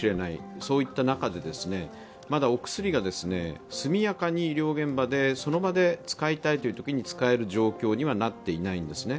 そういった中でまだお薬が、速やかに医療現場でその場で使いたいときに使える状況にはなっていないんですね。